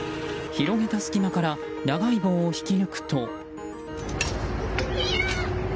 広げた隙間から長い棒を引き抜くと。